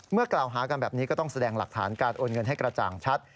กล่าวหากันแบบนี้ก็ต้องแสดงหลักฐานการโอนเงินให้กระจ่างชัด